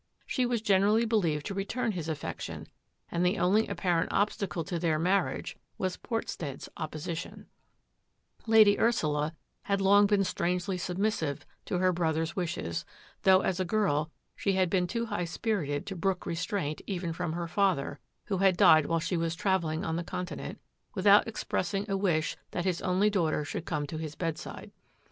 She was generally believed turn his affection and the only apparent ol to their marriage was Portstead's oppo Lady Ursula had long been strangely subr to her brother's wishes, though as a girl si been too high spirited to brook restraint from her father, who had died while she was 1 ling on the Continent, without expressing i that his only daughter should come to hii side.